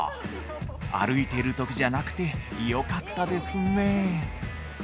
歩いてるときじゃなくてよかったですね。